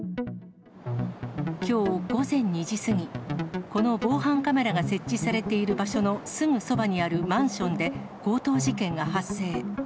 きょう午前２時過ぎ、この防犯カメラが設置されている場所のすぐそばにあるマンションで、強盗事件が発生。